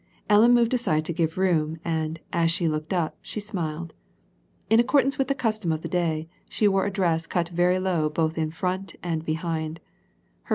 Ellen moved aside to give room, and, as she looked up she smiled. In accordance with the custom of the day, she wore a dress cut very low both in front and behind.